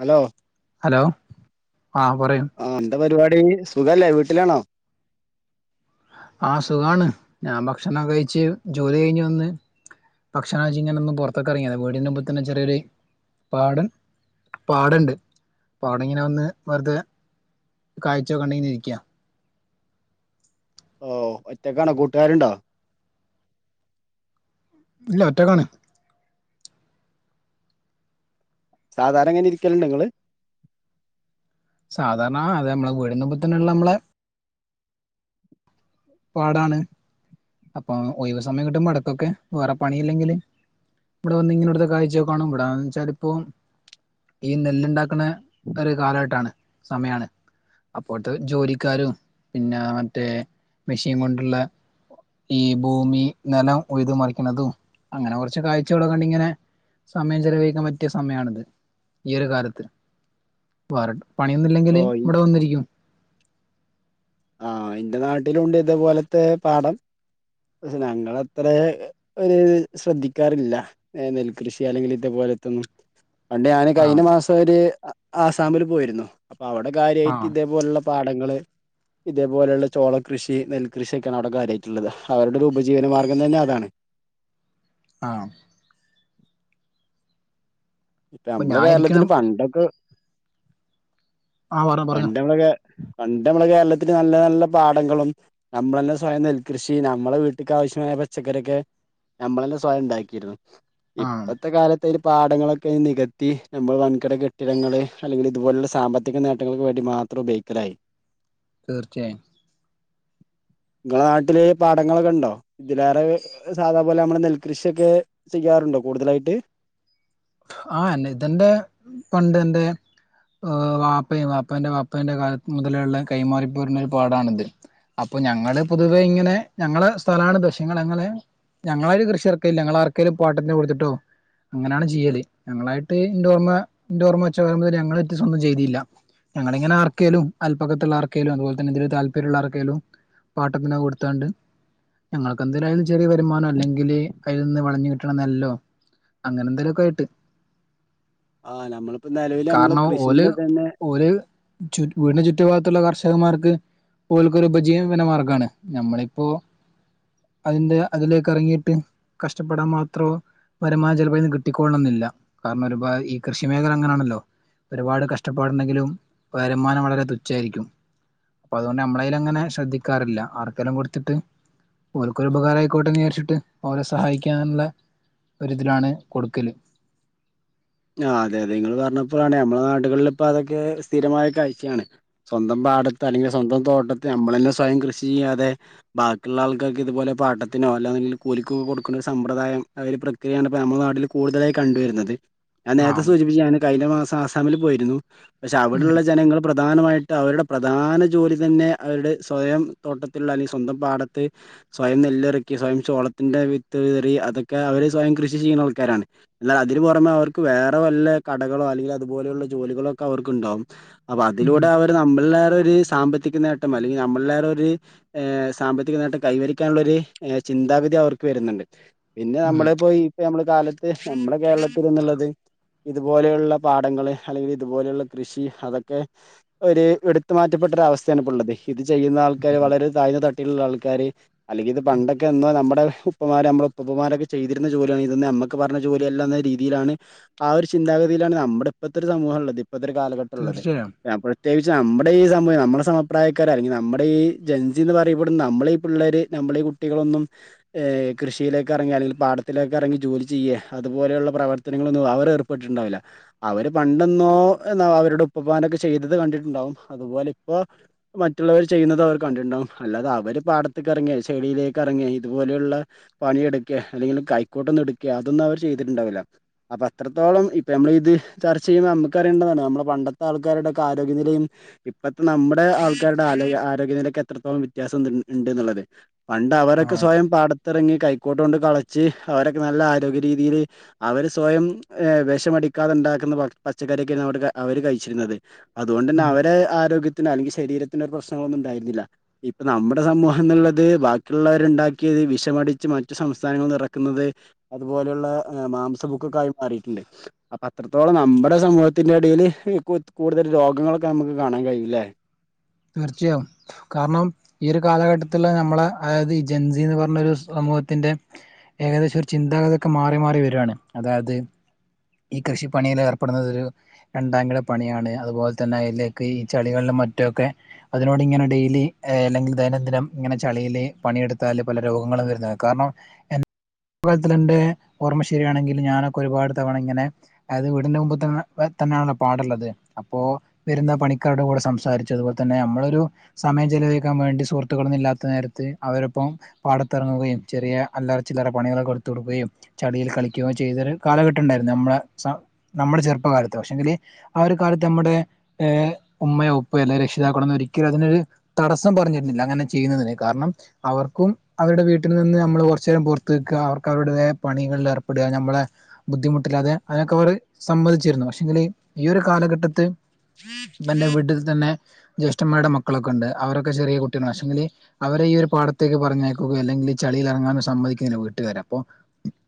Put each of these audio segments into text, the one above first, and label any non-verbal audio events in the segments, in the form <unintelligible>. Hello hello ആഹ് പറയൂ ആഹ് എന്താ പരിപാടി സുഖല്ലേ വീട്ടിലാണോ? ആ സുഖാണ് ഞാൻ ഭക്ഷണം കഴിച്ചു ജോലി കഴിഞ്ഞ് വന്ന് ഭക്ഷണഴിച്ച് ഇങ്ങനൊന്നു പുറത്തേക്കിറങ്ങിയതാ വീടിന്റെ മുമ്പിൽ തന്നെ ചെറിയൊരു പാടം പാടണ്ട് അവടെ ഇങ്ങനെ വന്ന് വെറുതെ കാഴ്ചെക്കെ കണ്ട് ഇരിക്കാ ഓ ഒറ്റക്കാണോ കൂട്ടുകാരുണ്ടോ? ഇല്ല ഒറ്റക്കാണ്. സാധാരണ എങ്ങനെ ഇരിക്കല്ണ്ടോ ഇങ്ങള് സാധാരണ അത് നമ്മളെ വീടിലെ മുന്നിൽ തന്നെ ഇള്ള നമ്മളെ പാടാണ് അപ്പൊ ഒയിവ് സമയം കിട്ടുമ്പോ ഇടക്കൊക്കെ വേറെ പണിയില്ലെങ്കില് ഇവിടെ വന്ന് ഇങ്ങനെ ഇടുത്തെ കാഴ്ചക്കെ കാണും ഇവിടെ വെച്ചാൽ ഇപ്പോ ഈ നെല്ല് ഇണ്ടാക്കണ ഒരു കാലഘട്ടാണ് സമയാണ്. അപ്പോത്തെ ജോലിക്കാരും പിന്നെ മറ്റേ മെഷീൻ കൊണ്ടുള്ള ഈ ഭൂമി നിലം ഉയ്ത് മറിക്കണതും അങ്ങനെ കുറച്ച് കാഴ്ചകള് കണ്ടിങ്ങനെ സമയം ചെലവഴിക്കാൻ പറ്റിയ സമയാണിത് ഈ ഒരു കാലത്ത് വാറ ഓ പണിയൊന്നില്ലെങ്കില് ഇവിടെ വന്നിരിക്കും. ആഹ് എന്റെ നാട്ടിലുണ്ട് ഇതേപോലത്തെ പാഠം. ഞങ്ങള് അത്ര ഒരു ശ്രദ്ധിക്കാറില്ല നെൽകൃഷി അല്ലെങ്കിൽ ഇതേപോലെ ത്ത്ന്ന് പണ്ട് ഞാന് ആ കഴിഞ്ഞ മാസ ഒരു ആസാമില് പോയിരുന്നു അപ്പൊ അവിടെ ആ കാര്യയിട്ട് ഇതേപോലുള്ള പാടങ്ങള് ഇതേപോലെള്ള ചോള കൃഷി നെൽകൃഷിയൊക്കെയാണ് അവിടെ കാര്യായിട്ടുള്ളത് അവരുടെ ഒരു ഉപജീവന മാർഗം തന്നെ അതാണ് ആഹ് ഇപ്പ അപ്പൊ നമ്മളെ ഞാൻ കേരളത്തില് ഇരിക്കണം പണ്ടൊക്കെ? ആ പറഞ്ഞോ പറഞ്ഞോ പണ്ട് <unintelligible> പണ്ട് നമ്മളെ കേരളത്തിൽ നല്ല നല്ല പാടങ്ങളും നമ്മളന്നെസ്വയം നെൽകൃഷി നമ്മളെ വീട്ട്ക്ക് ആ മായ പച്ചക്കറിക്കെ നമ്മളന്നെ സ്വയം ഇണ്ടാക്കിരുന്നു ആ ഇപ്പത്തെ കാലത്ത് അൽ പാടങ്ങളൊക്കെ നികത്തി നമ്മള് വൻകിട കെട്ടിടങ്ങൾ അല്ലെങ്കിൽ ഇതുപോലുള്ള സാമ്പത്തിക നേട്ട തങ്ങൾക്ക് വേണ്ടി മാത്രുപയോഗിക്കലായി. തീർച്ചയായും. ഇങ്ങളെ നാട്ടില് പാടങ്ങളൊക്കെണ്ടോ ഇതിലേറെ സാധാ പോലെ നമ്മളെ നെൽകൃഷ്യക്കെ ചെയ്യാ റ്ണ്ടോ കൂടുതലായിട്ട്? ആഹ് എന്നെതെൻ്റെ കണ്ടെൻ്റെ ആഹ് വാപ്പിം വാപ്പന്റെ വാപ്പന്റെ കാലത്ത് മുതലെള്ളെ കൈമാറിപ്പോര്ണൊരു പാടാണിത്. അപ് പ്പൊ ഞങ്ങള് പൊതുവെ ങ്ങനെ ഞങ്ങളെ സ്ഥലാണ് പക്ഷെ ങ്ങളങ്ങനെ ഞങ്ങളാരും കൃഷി എർക്കേല്ല ഞങ്ങളാർക്കേലും പാട്ടത്തിന് കൊട്ത്തിട്ടോ അങ്ങനാണ് ചെയ്യല് ഞങ്ങളായിട്ട് ഇൻ്റോർമ്മ ഇൻ്റർമ്മ വെച്ച കാലം മുതല് ഞങ്ങളൊറ്റീസൊന്നും ചെയ്തില്ല. ഞങ്ങള്ങ്ങനാർക്കേലും അല്പക്കത്തുള്ള ആർക്കേലും അത്പോൽതെന്നെ ഇതില് താല്പര്യള്ളാർക്കേലും പാട്ടത്തിനാ കൊട്ത്താണ്ട് ഞങ്ങൾക്കെന്തായാലു അയ്ല് ചെറിയ വരുമാനോ അല്ലെങ്കില് അയ്ന്ന് വളഞ് കിട്ടണ നെല്ലോ അങ്ങനെന്തെലൊ ക്കായിട്ട് ആ നമ്മളിപ്പോ നിലവില് നമ്മള് കാരണം ഓല് കൃഷിന്റെ തന്നെ ഓല് ചു വീടിന് ചുറ്റു ഭാഗ ത്ത്ള്ള കർഷകമാർക്ക് ഓൽക്കൊര് ഉപജീവന മാർഗാണ്. നമ്മളിപ്പോ അതിന്റെ അതിലേക്കെറങ്ങിയിട്ട് കഷ്ടപ്പെടാൻ മാത്രോ വരുമാന ചെലപ്പഅയ്ന്ന് കി ട്ടിക്കൊള്ളണന്നില്ല കാരണം ഒരുപാ ഈ കൃഷി മേഖല അങ്ങനാന്നല്ലോ ഒരുപാട് കഷ്ടപ്പാടുണ്ടെങ്കിലും വരുമാനം വളരെ തുച്ഛായിരിക്കും. അപ്പൊ അതുകൊണ്ട് നമ്മൾ അങ്ങനെ ശ്രദ്ധിക്കാറില്ല ആർക്കെങ്കിലും കൊടുത്തിട്ട് ഓൽക്കൊരു ഉപകാരമായിക്കോട്ടെന്ന് വിചാരിച്ചിട്ട് ഓ ലെ സഹായിക്കാനുള്ള ഒരിതിലാണ്. കൊടുക്കല് ആ അതെ അതെ നിങ്ങൾ പറ നമ്മെ നാട്ടുകളിൽ ഇപ്പ അതൊക്കെ സ്ഥിരമായ കാഴ്ചയാണ് സ്വന്തം നമ്മുടെ പാടത്ത് അല്ലെങ്കി സ്വന്തം തോട്ടത്ത് നമ്മളെന്നെ സ്വയം കൃഷി ചെയ്യാതെ ബാക്കിയുള്ള ആൾക്കാർക്ക് ഇത് പോലെ പാട്ടത്തിനു അല്ലെങ്കിൽ കൂലിക്ക് കൊടുക്കുന്ന ഒരു സമ്പ്രദായം അ ഒരു പ്രക്രിയാണ് ഇപ്പോൾ നമ്മുടെ നാട്ടില് കൂടുതലായി കണ്ടുവരുന്നത് ഞാൻ നേരത്തെ ആഹ് സൂചിപ്പിച്ചത് കഴിഞ്ഞ മാസം ആസാമിൽ പോയിരുന്നു. പക്ഷെ ഉം അവിടെയുള്ള ജനങ്ങൾ പ്രത്യേകിച്ച് പ്രധാനമായിട്ട് അവരുടെ പ്രധാന ജോലി തന്നെ അവരുടെ സ്വയം തോട്ടത്തിലുള്ള അല്ലെങ്കിൽ സ്വന്തം പാടത്ത് സ്വയം നെല്ലിറക്കി സ്വയം ചോളത്തിന്റെ വിത്ത് വിതറി അതൊക്കെ അവർ സ്വയം കൃഷി ചെയ്യുന്ന ആൾക്കാരാണ്. അതിന് പുറമെ അവർക്ക് വേറെ വല്ല കടകളോ അല്ലെങ്കിൽ അതുപോലെയുള്ള ജോലികളോക്കെ അവർക്കുണ്ടാകും. അവ ഉം അതിലൂടെ അവർ നമ്മളിലെ സാമ്പത്തിക നേട്ടം അല്ലെങ്കിൽ നമ്മളേ സാമ്പത്തിക നേട്ടം കൈവരിക്കാനുള്ള ഒരു ചിന്താഗതിഅവർക്ക് വരുന്നുണ്ട് പിന്നെ ഉം നമ്മള പോയി ഇപ്പോൾ നമ്മുടെ കാലത്ത് നമ്മുടെ കേരളത്തിൽന്നുള്ളത് ഇതുപോലെയുള്ള പാടങ്ങൾ അല്ലെങ്കിൽ ഇതുപോലെയുള്ള കൃഷി അതൊക്കെ ഒരു എടുത്തു മാറ്റ ഒറ്റപ്പെട്ട ഒരു അവസ്ഥയാണ്ഇപ്പോ ഉള്ളത്. ഇത് ചെയ്യുന്ന ആൾക്കാര് വളരെ താഴ്ന്ന തട്ടിലുള്ള ആൾക്കാര് അല്ലെങ്കിൽ ഇത് പണ്ടൊക്കെ എന്നോ നമ്മുടെ ഉപ്പമാര് നമ്മുടെ ഉപ്പാപ്പമാര് ചെയ്തിരുന്ന ജോലിയാണ് ഇതെന്ന് നമ്മക്ക് പറഞ്ഞ ജോലിയ അല്ല എന്ന രീതിയിലാണ് ആ ഒരു ചിന്താഗതിയിലാണ് നമ്മുടെ ഇപ്പത്തെ ഒരു സമൂഹം ഉള്ളത് ഇപ്പഴത്തെ ഒരു കാലഘട്ടം ഉള്ളത് തീർച്ചയായും പ്രത്യേകിച്ച് നമ്മുടെ ഈ സമൂഹം നമ്മുടെ സമപ്രായക്കാരർ അല്ലെങ്കിൽ നമ്മുടെ ഈ ജൻസി എന്ന് പറയുമ്പോ നമ്മെ ഈ പിള്ളേര് നമ്മളെ ഈ കുട്ടികളൊന്നും കൃഷിയിലേക്ക് ഇറങ്ങേ അല്ലെങ്കിൽ പാടത്തിലേക്കെ ഇറങ്ങി ജോലി ചെയ്യേ അതുപോലുള്ള പ്രവർത്തനങ്ങളൊന്നും അവ ഏർപ്പെട്ടിട്ടുണ്ടാവില്ല അവര് പണ്ടെന്നോ അവരുടെ ഉപ്പപ്പമാരോക്കെ ചെയ്തത് കണ്ടിട്ടുണ്ടാവും അതുപോലെ ഇപ്പോ മറ്റുള്ളവർ ചെയ്യുന്നത് അവർ കണ്ടിട്ടണ്ടാവും അല്ലാതെ അവര് പാടത്തേക്ക് ഇറങ്ങിയ ചെളിയിലേക്ക് ഇറങ്ങിയ ഇ അതുപോലെയുള്ള പണിയെടുക്കേ അല്ലെങ്കിൽ കൈക്കോട്ടൊന്നും എടുക്കുക അതൊന്നും അവർ ചെയ്തിട്ടുണ്ടാവില്ല അപ്പൊ ഇത്രത്തോളം ഇപ്പ നമ്മൾ ഇത് ചർച്ച ചെയ്യുമ്പോൾ നമുക്ക്അറിയേണ്ടാണ് നമ്മളെ പണ്ടത്തെ ആൾക്കാരുടെക്കെ ആരോഗ്യനിലയും ഇപ്പോഴത്തെ നമ്മുടെ ആൾക്കാരുടെ ആരോഗ്യനിലക്ക് എത്രത്തോളം വ്യത്യാസം ഉണ്ട് എന്നുള്ളത്. പണ്ട് അവരൊക്കെ ആഹ് സ്വയം പാടത്തിറങ്ങി കൈക്കോട്ട് കൊണ്ട് കളച്ച് അവരൊക്കെ നല്ല ആരോഗ്യ രീതിയില് അവര് സ്വയം ഏ വിഷമടിക്കാതെ ഉണ്ടാക്കുന്ന പച്ചക്കറിയൊക്കെയാണ് അവര് കഴിച്ചിരുന്നത് അതുകൊണ്ട് തന്നെ ഉം അവരെ ആരോഗ്യ അല്ലെങ്കിൽ ശരീരത്തിന് ഒരു പ്രശ്നങ്ങളൊന്നും ഉണ്ടായിരുന്നില്ല ഇപ്പ നമ്മുടെ സമൂഹം എന്നുള്ളത് ബാക്കിയുള്ളവരുണ്ടാക്കിയ വിഷമടിച്ച് മറ്റു സംസ്ഥാനങ്ങൾ നഇറക്കുന്നത് അതുപോലെയുള്ള മാംസബുക്ക് അറിയിട്ടുണ്ട് അപ്പൊ അത്രത്തോളം നമ്മുടെ സമൂഹത്തിന്റെ ഇടയിൽ കൂടുതൽ രോഗങ്ങളൊക്കെ നമുക്ക് കാണാം <unintelligible> തീർച്ചയായും കാരണം ഈ ഒരു കാലഘട്ടത്തിൽ നമ്മള അതായത് ഈ ജൻസിന്ന് പറഞ്ഞരു സമൂഹത്തിന്റെ ഏകദേശം ഒരു ചിന്താഗതി ഒക്കെ മാറി മാറി വരുകയാണ് അതായത് ഈ കൃഷിപ്പണിയിൽ ഏർപ്പെടുന്നത് ഒരു രണ്ടാംകിട പണിയാണ് അതുപോലെ തന്നെ അതിലേക്ക് ഈ ചളികളി മറ്റൊക്കെ അതിനോട് ഇങ്ങനെ ഡെയിലി അല്ലെങ്കിൽ ദൈനംദിനം ഇങ്ങനെ ചളീല് പണിയെടുത്താല് പല രോഗ ങ്ങളും വരുന്നത്. കാരണം എന്റെ <unintelligible> ഓർമ്മ ശരിയാണെങ്കിൽ ഞാനൊക്കെ ഒരുപാട് തവണ ഇങ്ങനെ അത് വീടിന്റെ മുമ്പ് തന്നെയാണല്ലോ പാടുള്ളത് അപ്പോ വരുന്ന പണിക്കാരുടെ കൂടെ സംസാരിച്ചതും അതുപേലെ തന്നെ നമ്മളൊരു സമയം ചിലവഴിക്കാൻ വേണ്ടി സുഹൃത്തുക്കളൊന്നുമില്ലാത്ത നേര ത്ത് അവരൊപ്പം പാട ത്തിറങ്ങുകയും ചെറിയ അല്ലറച്ചില്ലറ പണികളൊക്കെ എടുത്തു കൊടുക്കുകയും ചളിയില് കളിക്കുകയും ചെയ്ത ഒരു കാലഘട്ട ട്ടം ഉണ്ടായിരുന്നു. നമ്മുടെ സ നമ്മുടെ ചെറുപ്പകാലത്ത് പക്ഷെങ്കില് ആ ഒരു കാലത്ത് നമ്മുടെ ഉം മ്മയോ ഉപ്പയോ അല്ല രക്ഷിതാക്കളൊന്നും ഒരിക്കലും അതിനൊരു തടസ്സം പറഞ്ഞിരുന്നില്ല അങ്ങനെ ചെയ്യുന്നതിന്. കാരണം അവർക്കും അവരുടെ വീട്ടിൽ നിന്ന് നമ്മള് കുറച്ചുനേരം പുറത്തു നിക്ക അവർക്ക് അവരുടേതായപണികളിൽ ഏർപ്പെടുക നമ്മളെ ബുദ്ധിമുട്ടില്ലാതെ അതിനൊക്കെ അവർ സമ്മതിച്ചിരുന്നു. പക്ഷെങ്കിൽ ഈ ഒരു കാലഘട്ടത്ത് എന്റെ വീട്ടിൽ തന്നെ ജ്യേഷ്ഠമാരുടെ മക്ക ക്കളൊക്കെ ഉണ്ട്. അവൊരൊക്കെ ചെറിയ കുട്ടികളാണ് പക്ഷെങ്കിൽ അവരെ ഈ ഒരു പാടത്തേക്ക് പറഞ്ഞയക്കുകയോ അല്ലെങ്കിൽഈ ചളിയില് ഇറങ്ങാനും സമ്മ തിക്കുന്നില്ല വീട്ടുകാര് അപ്പൊ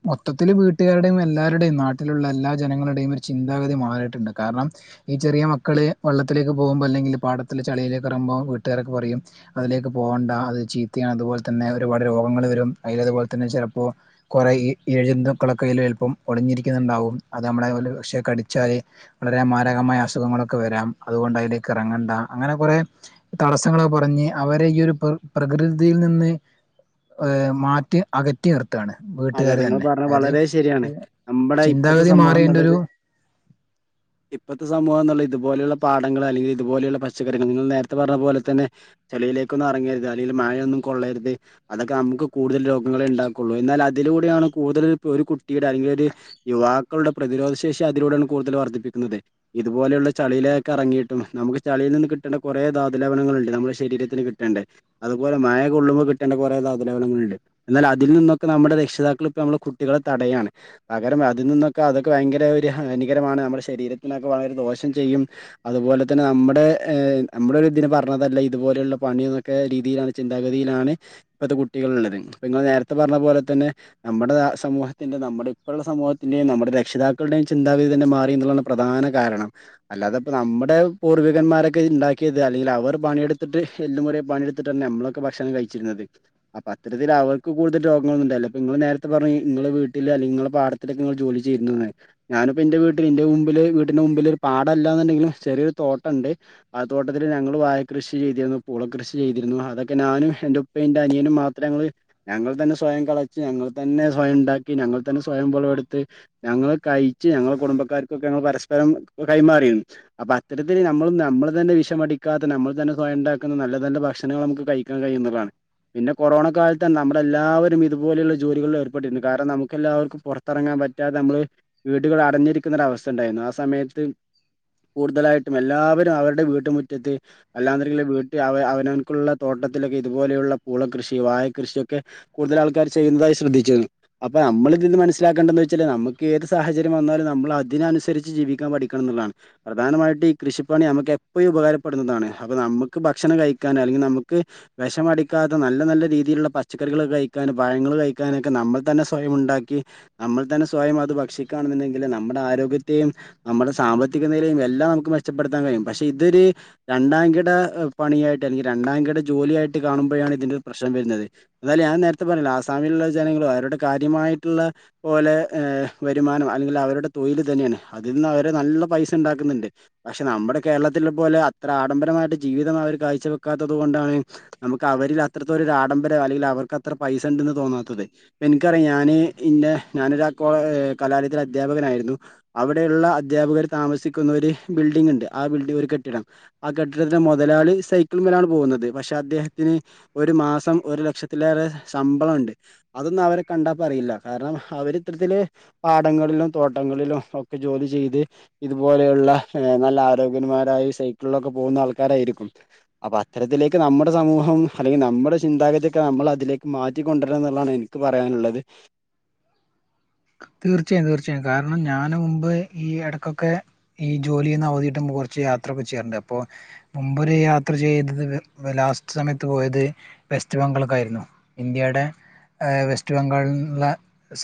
മൊത്തത്തില് വീട്ടുകാരുടേം എല്ലാ രുടേയും നാട്ടിലുള്ള എല്ലാ ജനങ്ങളുടെയും ഒരു ചിന്താഗതി മാറിയിട്ടുണ്ട്. കാരണം ഈ ചെറിയ മക്കള് വള്ളത്തിലേക്ക് പോകുമ്പോ അല്ലെങ്കിൽ പാടത്തില് ചളയിലേക്കിറങ്ങുറമ്പോ വീട്ടുകാരൊക്കെയും അതിലേക്ക് പോകണ്ട അത് ചീത്തയാണ് അതുപോലത പിന്നെ ഒരുപാട് രോഗങ്ങൾ വരും അതിലതുപോലെ തന്നെ ചിലപ്പോൾ കുറേ ഈ എഴ ജന്തുക്കൾ അയില് ചെലപ്പം ഒളിഞ്ഞിരിക്കുന്നുണ്ടാവും. അത് നമ്മളെ പക്ഷേ കടിച്ചാല് വളരെ മാരകമായ അസുഖങ്ങളൊക്കെ വരാം. അതുപോ കൊണ്ടതിലേക്ക് ഇറങ്ങണ്ട. അങ്ങനെ കൊറേ തടസ്സങ്ങള് പറഞ്ഞ് അവരെ ഈ ഒരു പ്രകൃതിയിൽ നിന്ന് ഏ മാറ്റി അകറ്റി നിർത്താണ് അതെ വീട്ടുകാര് നിങ്ങൾ തന്നെ പറഞ്ഞ അത് വളരെ ശരിയാണ് നമ്മുടെ ഇപ്പഴത്തെ സമൂഹം എന്നുള്ളത് ഇപ്പഴത്തെ സമൂഹം ന്നത് ഇതുപോലുള്ള പാടങ്ങള് അല്ലെങ്കിൽ ഇതുപോലുള്ള പച്ചക്കറികൾ നിങ്ങൾ നേരത്തെ പറഞ്ഞ പോലെ തന്നെ ചെളിയിലേക്കൊന്നും ഇറങ്ങി ത് അല്ലെങ്കിൽ മഴയൊന്നും കൊള്ളരുത്. അതൊക്കെ നമുക്ക് കൂടുതൽ രോഗങ്ങളെ ഉണ്ടാക്കുള്ളൂ എന്നാൽ അ അതിലൂടെയാണ് കൂടുതൽ ഇ ഒരു കുട്ടിയുടെ അല്ലെങ്കിൽ ഒരു യുവാക്കളുടെ പ്രതിരോധ ശേഷി അതിലൂടെയാണ് കൂടുതൽ വർദ്ധിപ്പിക്കു ന്നത്. ഇതുപോലെയുള്ള ചളയിലേക്കെറങ്ങിയിട്ടും നമുക്ക് ചളിയിൽ നിന്ന് കിട്ടേണ്ട കുറെ ധാതുലവണങ്ങളുണ്ട് നമ്മുടെ ശരീ രത്തിന് കിട്ടേണ്ടെ. അതുപോലെ മഴ കൊള്ളുമ്പോ കിട്ടേണ്ട കുറേ ധാതുലവണങ്ങളുണ്ട് എന്നാൽ അതിൽ നിന്നൊക്കെ നമ്മുടെ രക്ഷിതാക്കളിപ്പ നമ്മടെ കുട്ടികളെ തടയാണ്. പകരം അതിൽ നിന്നൊക്കെ അതൊക്കെ ഭയങ്കര ഒരു ഹാനികരമാണ് നമ്മുടെ ശരീര ത്തിനൊക്കെ വളരെ ദോഷം ചെയ്യും. അതുപോലെ തന്നെ നമ്മുടെ നമ്മുടെ ഇതിന് പറഞ്ഞതല്ല ഇതുപോലു പണിന്നൊക്കെ രീതിയിലാണ് ചിന്താഗതിയിലാണ് ഇപ്പഴത്തെ കുട്ടികൾ ഉള്ളത്. ഇപ്പ നിങ്ങള് നേരത്തെ പറഞ്ഞ പോലെ തന്നെ നമ്മുടെ സമൂഹത്തിന്റെ നമ്മുടെ ഇപ്പഴുള്ള സമൂഹത്തിന്റെയും നമ്മുടെ രക്ഷിതാക്കളുടെയും ചിന്താഗതി തന്നെ മാറി എന്നുള്ളതാണ് പ്ര പ്രധാന കാരണം. അല്ലാതെ ഇപ്പോ നമ്മുടെ പൂർവികന്മാരൊക്കെ ഉണ്ടാക്കിയത് അല്ലെങ്കിൽ അവർ പണിയെടുത്തിട്ട് എല്ല് മുറിയെ പണിയെടുത്തിട്ട് തന്നെയാ നമ്മളൊക്കെ ഭക്ഷണം കഴിച്ചിരുന്നത്. അപ്പൊ അത്തരത്തിൽ അവർക്ക് കൂടുതൽ രോഗങ്ങളൊന്നും ഉണ്ടായില്ല. ഇങ്ങള് നേരത്തെ പറഞ്ഞ് ഇങ്ങളെ വീട്ടില് അല്ലെങ്കിങ്ങളുടെ പാടത്തിലൊക്കെ ജോലി ചെയ്തേട്ടുണ്ടന്ന്. ഞാനിപ്പോ എന്റെ വീട്ടില് വീട്ടിന്റെ മുമ്പിൽ ഒരു പാടം അല്ലാന്നുണ്ടെങ്കിലും ചെറിയൊരു തോട്ട ഉണ്ട് ആ തോട്ടത്തിൽ ഞങ്ങള് വായ കൃഷി ചെയ്തിരുന്നു. പൂള കൃഷി ചെയ്തിരുന്നു. അതൊക്കെ ഞാനും എന്റെ ഉപ്പേംഅനിയനും മാത്രങ്ങള് ഞങ്ങൾ തന്നെ സ്വയം കെള ഞങ്ങൾ തന്നെ സ്വയം ഉണ്ടാക്കി. ഞങ്ങൾ തന്നെ സ്വയം വെളവെടുത്ത് ഞങ്ങള് കഴിച്ച് ഞങ്ങളുടെ കുടുംബക്കാർക്കൊക്കെ പരസ്പരം കൈമാറിയിരുന്നു. അപ്പ അത്തരത്തിൽ നമ്മൾ നമ്മൾ തന്നെ വിഷമടിക്കാത്ത നമ്മൾ തന്നെ സ്വയം ഉണ്ടാ ക്കുന്ന നല്ല നല്ല ഭക്ഷണൾ നമുക്ക് കഴിക്കാൻ കഴിയുന്നുള്ളതാണ്. പിന്നെ കൊറോണ കാലത്താണ് നമ്മളെല്ലാവരും ഇതുപോലെയുള്ള ജോലികളിൽ ഏർപ്പെട്ടിരുന്നു. കാരണം നമുക്കെല്ലാവർക്കും പുറത്തിറങ്ങാൻ പറ്റാതെ നമ്മള് വീടുകളിൽ അടഞ്ഞിരിക്കുന്ന ഒരവ വസ്ഥ ഉണ്ടായിരുന്നു. ആ സമയത്ത് കൂടുതലായിട്ടും എല്ലാവരും അവരുടെ വീട്ടുമുറ്റത്ത് അല്ലാന്നുണ്ടെങ്കില് വീട്ടിൽ അവ അവനക്കുള്ള തോട്ട ട്ടത്തിലൊക്കെ ഇതുപോലെയുള്ള പൂള കൃഷി വായ കൃഷിയൊക്കെ കൂടുതൽ ആൾ ൾക്കാര് ചെയ്യുന്നതായി ശ്രദ്ധിച്ചിരുന്നു. അപ്പൊ നമ്മളിതിൽ നിന്ന് മനസ്സിലാക്കേണ്ടതെന്നുവെച്ചാല് നമ്മക്ക് ഏതു സാഹചര്യം വന്നാലും നമ്മളതി തിനനുസരിച്ച് ജീവിക്കാൻ പഠിക്കണം എന്നുള്ളതാണ്. പ്രധാനമായിട്ട് ഈ കൃഷിപ്പണി നമുക്ക് എപ്പഴും ഉപകാരപ്പെടുന്നതാണ്. അപ്പൊ നമുക്ക നമുക്ക് ഭക്ഷണം കഴിക്കാനോ അല്ലെങ്കിൽ നമുക്ക് വിഷമടിക്കാത്ത നല്ല നല്ല രീതിയിലുള്ള പച്ചക്കറികള് ഒക്കെ കഴി ക്കാനും പഴങ്ങൾ കഴിക്കാനൊക്കെ നമ്മൾ തന്നെ സ്വയം ഉണ്ടാക്കി നമ്മൾ തന്നെ സ്വയം അത് ഭക്ഷിക്കാണുന്നുണ്ടെങ്കില് നമ്മ ൾടെ ആരോഗ്യത്തെയും നമ്മുടെ സാമ്പത്തിക നിലയും എല്ലാം നമുക്ക് മെച്ചപ്പെടുത്താൻ കഴിയും. പക്ഷെ ഇതൊരു രണ്ടാ കിട പണിയായിട്ട് അല്ലെങ്കിൽ രണ്ടാം കിട ജോലി ആയിട്ട് കാണുമ്പോഴാണ് ഇതിന്റെ ഒരു പ്രശ്നം വരുന്നത്. എന്നാലും ഞാൻ നേര ത്തെ പറഞ്ഞില്ലെ ആസാമിലുള്ള ജനങ്ങളും അവരുടെ കാര്യമായിട്ടുള്ള പോലെ വരുമാനം അല്ലെങ്കിൽ അവരുടെ തോ തൊഴില് ഇത് തന്നെയാണ്. അതീന്ന് അവര് നല്ല പൈസ ഉണ്ടാക്കുന്നുണ്ട്. പക്ഷെ നമ്മുടെ കേരളത്തിലേ പോലെ അത്ര ആഡംബര മായിട്ട് ജീവിതം അവര് കാഴ്ചവെക്കാത്തത് കൊണ്ടാണ് നമുക്ക് അവരിൽ അത്രത്തൊരു ആഡംബരം അല്ലെങ്കിൽ അവർക്ക് ഇത്ര പൈസ ഉണ്ടന്ന് തോന്നാത്തത് എനിക്കറിയാം ഞാൻ ഇന്നേ ഞാനൊരു കൊ കലാലയത്തിലെ അധ്യാപകൻ അാ ആയിരുന്നു അവിടെയുള്ള അധ്യാപകർ താമസിക്കുന്ന ഒരു ബിൽഡിംഗ ഉണ്ട് ആ ബിൽഡി ഒരു കെട്ടിടം ആ. കെട്ടിടത്തിലെ മുതലാളി സൈക്കിളിങ്ങിലാണ് പോകുന്നത് പക്ഷെ അദ്ദേഹത്തിന് ഒരു മാസം ഒരു ലക്ഷത്തിലേറെ ശമ്പളം ഉണ്ട് അതൊന്നും അവരെ കണ്ടാൽ പറയില്ല കാരണം അവരി ഇത്തരത്തില് പാടങ്ങളിലും തോട്ടം ങ്ങളിലോ ഒക്കെ ജോലി ചെയ്ത് ഇതുപോലെയുള്ള നല്ല ആരോഗ്യന്മാരായി സൈക്കിളിലൊക്കെ പോകുന്ന ആൾക്കാരായിരിക്കും അപ്പൊ അത്തരത്തിലേക്ക് നമ്മുടെ സമൂഹം അല്ലെങ്കിൽ നമ്മുടെ ചിന്താഗതിയൊക്കെ നമ്മൾ അതിലേ മാറ്റിക്കൊണ്ടുവരാ എന്നുള്ളതാണ് എനിക്ക് പറയാനുള്ളത് തീർച്ചയായും തീർച്ചയായും കാരണം ഞാൻ മുമ്പ് ഈ ഇടയ്ക്കൊക്കെ ഈ ജോലിന്ന് അവധികിട്ടുമ്പോൾ കുറച്ച് യാത്ര ചെയ്യാറുണ്ട് അപ്പോൾ മുമ്പൊരു യാത്ര ചെയ്ത് ലാസ്റ്റ് സമയത്ത് പോയത് വെസ്റ്റ് ബംഗക്കായിരുന്നു ഇന്ത്യയുടെ വെസ്റ്റ് ബംഗാളൽനിന്നുള്ള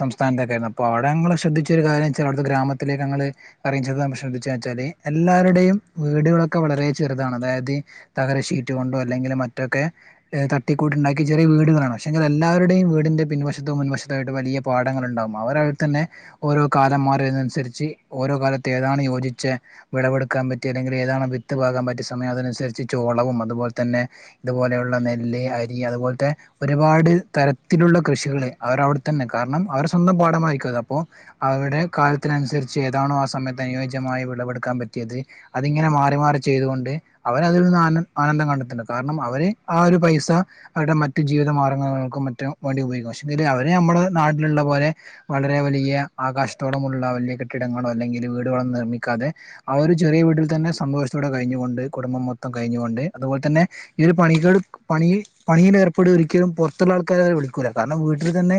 സംസ്ഥാനത്തെ അപ്പോൊ അവിടെങ്ങള്െ ശ്രദ്ധിച്ച ഒരു കാര്യം വച്ചാൽ അവിത്തെ ഗ്രമത്തിലേക്ക്ങ്ങള് അയിത് ശ്രദ്ിച്ച വച്ചാല് എല്ലാരരും വീടുകളൊക്കെ വളരെ ചെറുതാണ് അതായത് തകരഷീറ്റ് കൊണ്ടോ അല്ലെങ്കിൽ മറ്റൊക്കെ തട്ടിക്കൂട്ടുണ്ടാക്കി ചെറിയീടുകളാണ് പക്ഷെങ്കിൽ എല്ലാവരുടെയും വീടിൻ്റെ പിൻവശതോ മുൻവശത്തമായിട്ട വലിയ പാടങ്ങൾ ഉണ്ടാവും അവരാ തന്നെ ഓരോ കാലം മാറതിനനുസരിച്ച് ഓരോ കാലത്ത് ഏതാണ് യോജിച്ച വിളവെടുക്കാ ാൻ പറ്റ അല്ലെങ്കിൽ ഏതാണ് വിത്ത്ാകാൻ പറ്റ സയം അതനുസരിച്ച് ചോള അതുോലെ തന്നെ ഇതുപലുള്ള നെ അരി അതുപോലത്തെ ഒരുപാട് തരത്തിലുള്ള കൃഷികൾ അവരവിടെ തന്നെ കാരണം അവർ സ്വന്തം പാഠംമായിരിക്ക അപ്പോൊ അവരുടെ കാലത്തിനുസരിച്ച് ഏതാണോ ആ സമയത്ത് അനുയോജ്യമായി വിളവെടുക്കാൻ പറ്റും ചെയ്ത് അതിങ്ങനെ മാറി മാറി ചെയ്തുകൊണ്ട് അവര അതിൽന്ന് ആനന്ദം കണ്ടെത്തണ്ട് കാരണം അവര് ആ ഒരു പൈസ അവരുടെ മറ്റു ജീവിത മാർഗ്ഗങ്ങൾക്കും മറ്റും വേണ്ടി ഉപയോഗിക്കും പക്ഷേ അവരെ നമ്മുടെ നാട്ടിലുള്ള പോലെ വളരെ വലിയ ആകാശത്തോടമുള്ള വലിയ കെട്ടിടങ്ങളോ അല്ലെങ്കിൽ വീടുകളും നിർമ്മിക്കാതെ അവ ഒരു ചെറിയ വീട്ടിൽ തന്നെ സന്തോഷത്തോടെ കഴിഞ്ഞുകൊണ്ട് കുടുംബം മൊത്തം കഴിഞ്ഞുകൊണ്ട് അതുപോലെ തന്നെഈ ഒരു പണികൾ പണി പണിയിൽേർപ്പെട ഒരിക്കലും പുറത്തുള്ള ആൾക്കാരെ അവരെ വിളിക്കില്ല കാരണം വീട്ടിൽ തന്നെ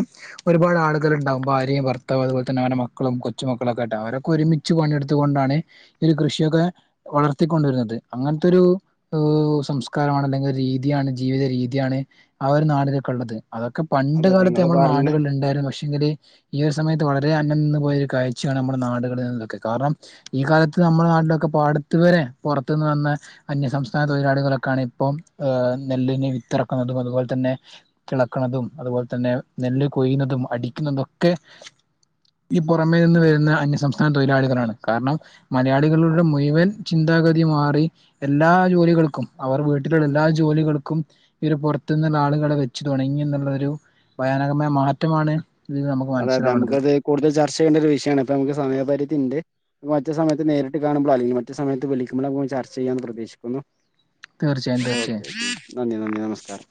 ഒരുപാട് ആൾ ഉണ്ടാവും ഭാര്യയും ഭർത്താവ് അതുപോലെ തന്നെ അവ മക്കളും കൊച്ചുമക്കളൊക്കെട്ടാവും അവരക്കെ ഒരുമിച്ച് പണിയെടുത്തുക കൊണ്ടാണ് എന്തെലും കൃഷിയൊക്കെ. വളർത്തിക്കൊണ്ടുവരുന്നത്. അങ്ങൻ തൊരു സംസ്കാരമാണ്. അല്ലെങ്കിൽ രീതിയാണ് ജീവിത രീതിയാണ്. ആ ഒരു നാടിലൊക്കള്ളത്, അതൊക്കെ പണ്ട് അതെ കാലത്ത് നിങ്ങള് നമ്മൾ പറഞ്ഞ നാടുകളിൽ ഉണ്ടായിരുന്നു, പക്ഷ. ങ്കില് ഈ ഒരുസമയത്ത് വളരെ അകന്ന് പോയഒരു കാഴ്ചയണ് നമ്മുടെ നാടുകളിൽ നിന്നൊക്കെ, കാരണം ഈ കാലത്ത്. നമ്മുടെ നാട്ടിലൊക്കെ പാടത്ത് വരെ, പൊറത്തു നിന്ന് വന്ന അന്യസംസ്ഥാന തൊഴിലാളികളൊക്കണ് ഇപ്പം, ഏ. നെല്ലിനെ വിത്തിറക്കുന്നതും, അതുപോലെ തന്നെ തിളക്ണതും, അതുപോലെ തന്നെ നെല്ല് കൊയുന്നതും അടി. ഇന്ന തൊക്കെ. ഈ പുറമേ നിന്ന് വരുന്ന അന്യസംസ്ഥാന തൊഴിലാളികളാണ്. കാരണം മലയാളികളുടെ മുഴുവൻ ചിന്ത. മന്ത ഗതി മാറി, എല്ലാ ജോലികൾക്കും അവർ വീട്ടില എല്ലാ ജോലികൾക്കും പിന്നെ പുറത് നിന്ന് തന്നെ. ആളുകളെ വച്ചു തുടങ്ങി എന്നുള്ള ഒരു ഭയാനകമായ മാറ്റമാണ്. ഇതിൽ നമുക്ക് അതെ അതെ. മനസ്സിലാവണത് നമുക്കത് കൂടുതൽ ചർച്ച ചെയ്യേണ്ട ഒരു വിഷയമാണ്. ഇപ്പൊ നമുക്ക് സമയപരിധി ഉണ്ട്. വായിച്ച സമയത്ത് നേരിട്ട് കാണുമ്പളോ, അല്ലെങ്കി മറ്റ് സമയത്ത് വിളിക്കുമ്പളോ, ചർച്ച ചെയ്യാന്ന് പ്രതീക്ഷിക്കുന്നു. തീർച്ചയായും തീർച്ചയായും നന്ദി നന്ദി നമസ്കാരം